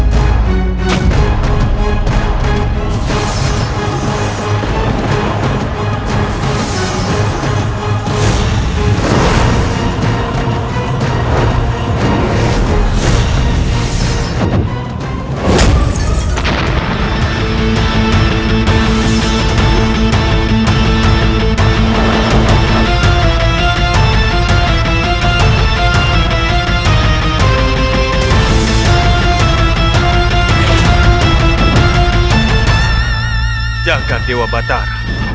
terus mengusik kedamaian pajajar